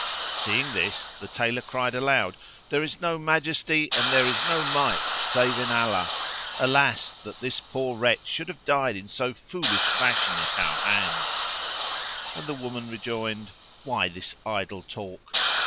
Seeing this the Tailor cried aloud, "There is no Majesty and there is no Might save in Allah! Alas, that this poor wretch should have died in so foolish fashion at our hands!" and the woman rejoined, "Why this idle talk?